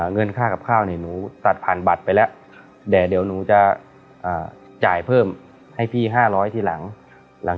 เงินค่ากับข้าวเนี่ยหนูตัดผ่านบัตรไปแล้วเดี๋ยวหนูจะจ่ายเพิ่มให้พี่๕๐๐ทีหลัง